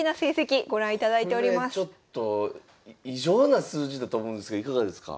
これちょっと異常な数字だと思うんですけどいかがですか？